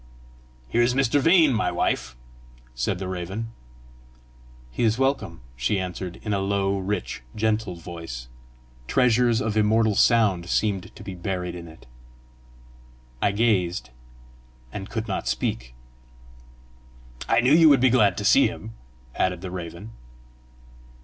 "Here is Mr. Vane, wife!" said the raven. "He is welcome," she answered, in a low, rich, gentle voice. Treasures of immortal sound seemed to be buried in it. I gazed, and could not speak. "I knew you would be glad to see him!" added the raven.